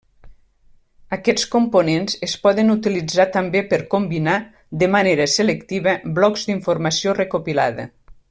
Aquests components es poden utilitzar també per combinar, de manera selectiva, blocs d’informació recopilada.